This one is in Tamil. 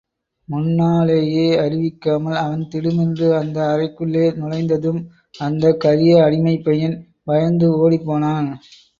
முன்னாலேயே அறிவிக்காமல், அவன் திடுமென்று அந்த அறைக்குள்ளே நுழைந்ததும் அந்தக் கரிய அடிமைப் பையன் பயந்து ஓடிப் போனான்.